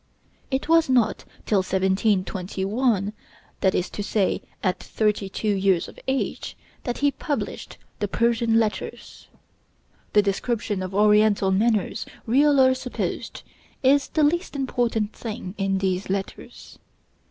It was not till 1721, that is to say, at thirty two years of age, that he published the 'Persian Letters.' The description of Oriental manners, real or supposed, is the least important thing in these letters.